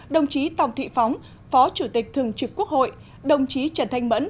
đồng chí tòng thị phóng phó chủ tịch thường trực quốc hội đồng chí trần thanh mẫn